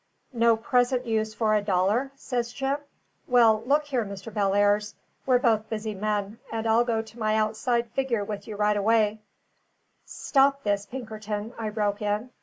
"No present use for a dollar?" says Jim. "Well, look here, Mr. Bellairs: we're both busy men, and I'll go to my outside figure with you right away " "Stop this, Pinkerton," I broke in.